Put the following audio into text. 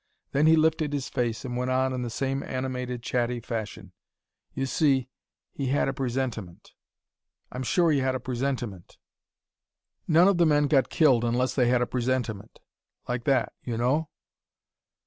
Then he lifted his face, and went on in the same animated chatty fashion: "You see, he had a presentiment. I'm sure he had a presentiment. None of the men got killed unless they had a presentiment like that, you know...."